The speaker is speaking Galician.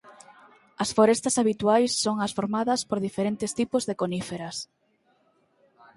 As forestas habituais son as formadas por diferentes tipos de coníferas.